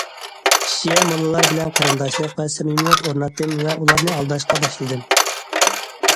شىئە موللىلار بىلەن قېرىنداشلىق ۋە سەمىمىيەت ئورناتتىم ۋە ئۇلارنى ئالداشقا باشلىدىم.